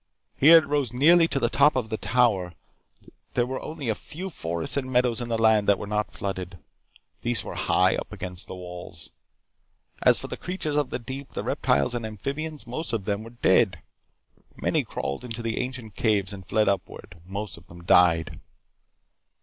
Here it rose nearly to the top of the Tower. There were only a few forests and meadows in the land that were not flooded. These were high up against the walls. As for the creatures of the deep, the reptiles and amphibians, most of them were dead. Many crawled into the ancient caves and fled upward. Most of them died.